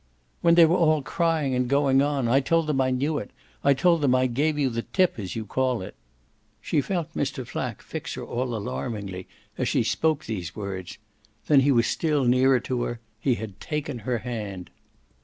"When they were all crying and going on. I told them I knew it I told them I gave you the tip as you call it." She felt Mr. Flack fix her all alarmingly as she spoke these words; then he was still nearer to her he had taken her hand.